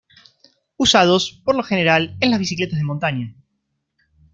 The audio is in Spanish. Usados por lo general en las bicicletas de montaña.